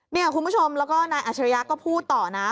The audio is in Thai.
นี่คุณผู้ชมแล้วก็นายอัชริยะก็พูดต่อนะ